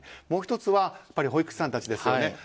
もう１つは保育士さんたちですよね。